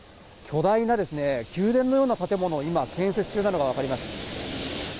巨大な宮殿のような建物、今、建設中なのが分かります。